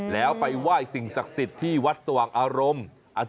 แล้วไปไหว้สิ่งศักดิ์สิทธิ์ที่วัดสว่างอารมณ์